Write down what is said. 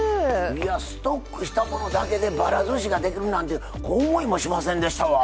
いやストックしたものだけでばらずしができるなんて思いもしませんでしたわ。